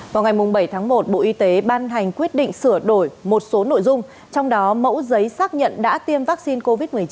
vào ngày bảy tháng một bộ y tế ban hành quyết định sửa đổi một số nội dung trong đó mẫu giấy xác nhận đã tiêm vaccine covid một mươi chín